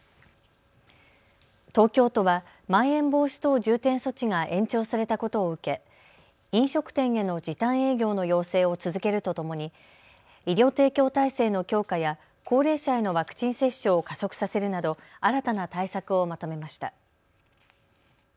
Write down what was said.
東京都はまん延防止等重点措置が延長されたことを受け飲食店への時短営業の要請を続けるとともに医療提供体制の強化や高齢者へのワクチン接種を加速させるなど新たな対策をまとめました。